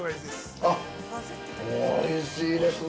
あっ、おいしいですね。